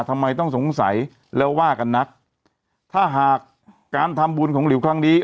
ทำไมต้องสงสัยแล้วว่ากันนักถ้าหากการทำบุญของหลิวครั้งนี้